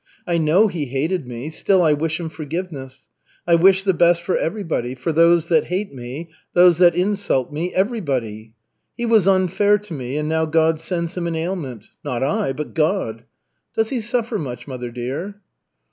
I know he hated me, still I wish him forgiveness. I wish the best for everybody for those that hate me, those that insult me everybody. He was unfair to me and now God sends him an ailment not I, but God. Does he suffer much, mother dear?"